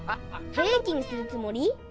へいきにするつもり？